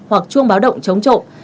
hoặc chuông báo động chống trộm